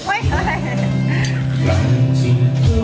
โชว์พี่ลองให้ไกลอ่ะ